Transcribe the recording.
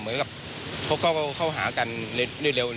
ไม่รู้ว่าใครชกต่อยใครก่อนล่ะค่ะตอนเห็นก็ชุดละมุนต่อยกันอยู่แล้วอะนะคะ